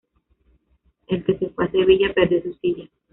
El que se fue a Sevilla perdió su silla